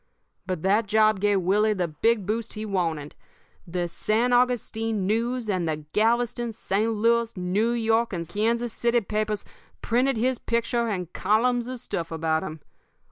"But that job gave Willie the big boost he wanted. The San Augustine News and the Galveston, St. Louis, New York, and Kansas City papers printed his picture and columns of stuff about him.